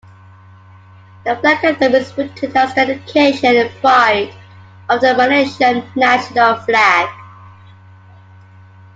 The flag anthem is written as dedication and pride of the Malaysian national flag.